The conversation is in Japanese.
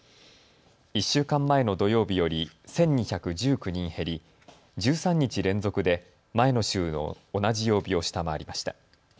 １週間前の土曜日より１２１９人減り、１３日連続で前の週の同じ曜日を下回りました。